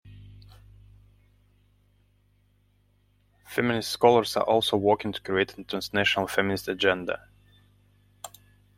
Feminist scholars are also working to create a transnational feminist agenda.